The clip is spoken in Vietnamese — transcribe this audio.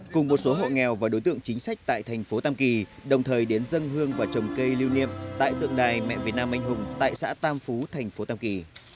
cùng một số hộ nghèo và đối tượng chính sách tại thành phố tam kỳ đồng thời đến dân hương và trồng cây lưu niệm tại tượng đài mẹ việt nam anh hùng tại xã tam phú thành phố tam kỳ